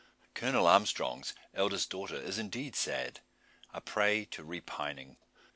Colonel Armstrong's eldest daughter is indeed sad a prey to repining.